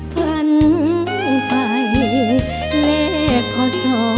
ฝันไฟเลขพอซ้อ